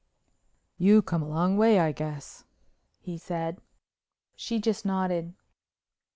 "You come a long way, I guess," he said. She just nodded.